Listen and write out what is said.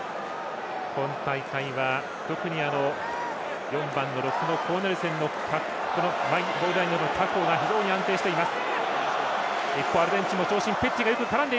今大会は特に４番のコーネルセンのマイボールラインアウトが非常に安定しています。